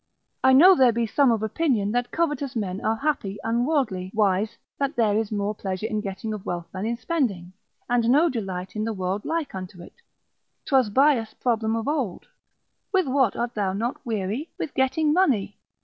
I know there be some of opinion, that covetous men are happy, and worldly, wise, that there is more pleasure in getting of wealth than in spending, and no delight in the world like unto it. 'Twas Bias' problem of old, With what art thou not weary? with getting money.